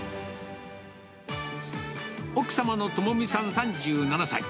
奥様の友美さん３７歳。